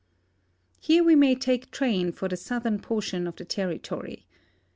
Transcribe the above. Here we may take train for the southern i)()rtion of the terri tory.